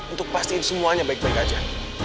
untuk pastikan semuanya baik baik saja